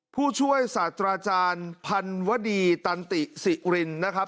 ผู้ช่วยศาสตราจารย์พันวดีตันติสิรินนะครับ